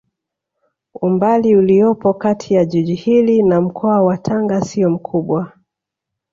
Umbali uliopo kati ya jiji hili na mkoa wa Tanga sio mkubwa